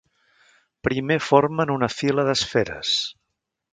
Primer formen una fila d'esferes.